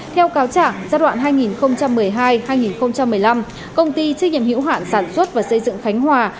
theo cáo trạng giai đoạn hai nghìn một mươi hai hai nghìn một mươi năm công ty trách nhiệm hiệu hạn sản xuất và xây dựng khánh hòa